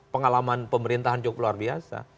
pengalaman pemerintahan cukup luar biasa